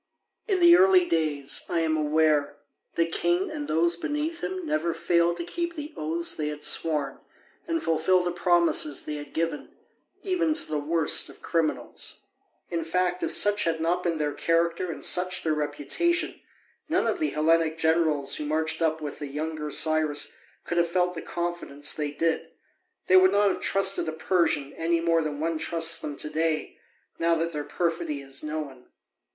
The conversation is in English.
In the early days, I am aware, the king and those beneath him never failed to keep the oaths they had sworn and fulfil the promises they had given, even to the worst of criminals. In fact, if such had not been their character and such their reputation, none of the Hellenic generals who marched up with the younger Cyrus could have felt the confidence they did: they would not have trusted a Persian any more than one trusts them to day, now that their perfidy is known.